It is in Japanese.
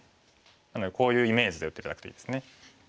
なのでこういうイメージで打って頂くといいですね。